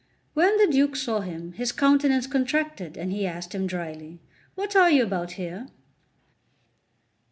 When the Duke saw him, his countenance contracted, and he asked him drily: "What are you about here?"